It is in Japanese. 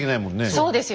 そうですよ。